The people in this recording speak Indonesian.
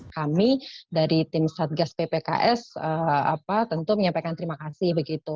kami dari tim satgas ppks tentu menyampaikan terima kasih begitu